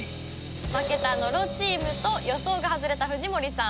負けた野呂チームと予想が外れた藤森さん